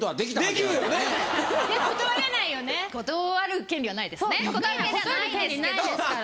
そう断る権利はないですから。